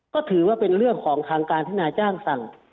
ก็ถือว่าเป็นเรื่องของทางการที่นายจ้างสั่ง